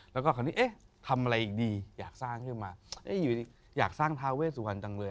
แล้วก็คราวนี้เอ๊ะทำอะไรอีกดีอยากสร้างขึ้นมาอยู่ดีอยากสร้างทาเวสุวรรณจังเลย